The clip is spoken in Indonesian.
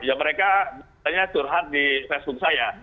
ya mereka tanya surat di facebook saya